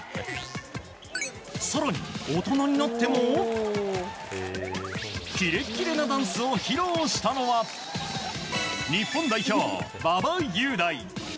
更に、大人になってもキレッキレのダンスを披露したのは日本代表、馬場雄大。